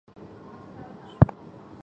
伊都郡是和歌山县的一郡。